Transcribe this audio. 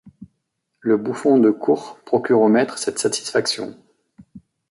Le bouffon de cour procure aux maîtres cette satisfaction.